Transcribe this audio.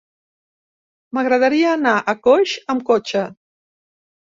M'agradaria anar a Coix amb cotxe.